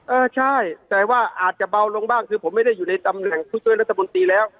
เออใช่แต่ว่าอาจจะเบาลงบ้างคือผมไม่ได้อยู่ในตำแหน่งผู้ช่วยรัฐบนตรีแล้ว